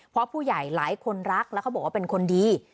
เพราะผู้ใหญ่หลายคนรักแล้วเขาบอกว่าเป็นคนดี